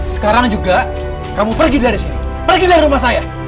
sekarang juga kamu pergi dari sini pergi dari rumah saya